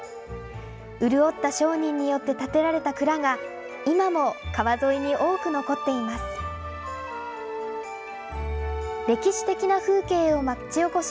潤った商人によって建てられた蔵が、今も川沿いに多く残っています。